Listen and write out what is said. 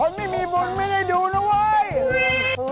คนไม่มีบุญไม่ได้จัดการ